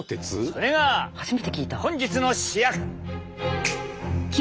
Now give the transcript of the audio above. それが本日の主役！